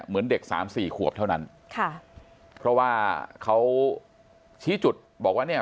เหมือนเด็กสามสี่ขวบเท่านั้นค่ะเพราะว่าเขาชี้จุดบอกว่าเนี่ย